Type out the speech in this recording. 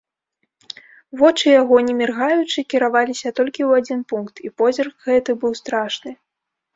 Вочы яго не міргаючы кіраваліся толькі ў адзін пункт, і позірк гэты быў страшны.